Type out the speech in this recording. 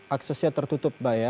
aksesnya tertutup mbak ya